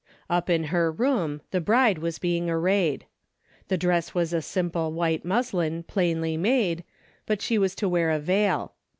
Up in her room the bride was being arrayed. The dress was a simple white muslin plainly made, but she was to wear a veil.